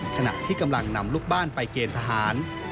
ขณะที่กำลังนำลูกบ้านไปเกณฑ์ทหาร